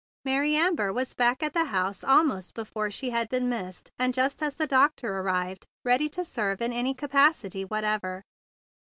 Mary Amber was back at the house almost before she had been missed and just as the doctor arrived, ready to serve in any capacity whatever.